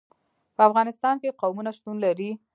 په افغانستان کې قومونه شتون لري.